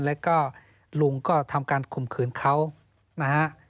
แล้วก็ลุงก็ทำการข่มขืนเขานะฮะ